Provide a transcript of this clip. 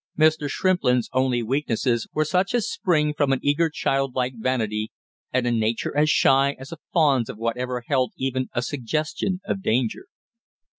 Mr. Shrimplin's only weaknesses were such as spring from an eager childlike vanity, and a nature as shy as a fawn's of whatever held even a suggestion of danger.